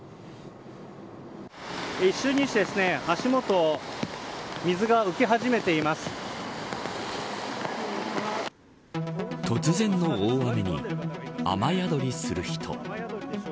一瞬にして足元水が浮き始めて突然の大雨に雨宿りする人。